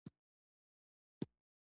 دولس ديارلس څوارلس پنځلس